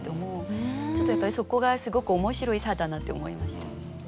そこがすごく面白い差だなって思いました。